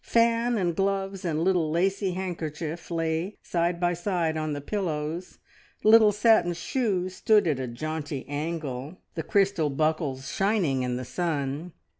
Fan, and gloves, and little lacy handkerchief lay side by side on the pillows; little satin shoes stood at a jaunty angle, the crystal buckles shining in the sun.